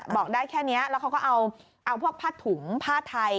บอกได้แค่นี้แล้วเขาก็เอาพวกผ้าถุงผ้าไทย